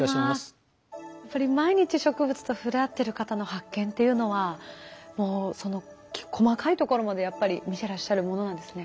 やっぱり毎日植物と触れ合ってる方の発見っていうのはもうその細かいところまでやっぱり見てらっしゃるものなんですね。